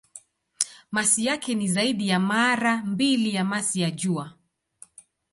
Masi yake ni zaidi ya mara mbili ya masi ya Jua.